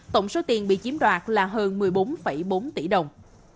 tổng số tiền bị chiếm đoạt là hơn một mươi bốn bốn tỷ đồng